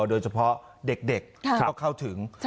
โดยเฉพาะเด็กก็เข้าถึง